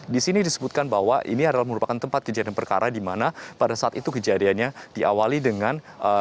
di sini disebutkan bahwa ini adalah merupakan tempat kejadian perkara di mana pada saat itu kejadiannya diawali dengan